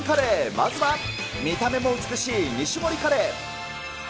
まずは、見た目も美しい２種盛りカレー。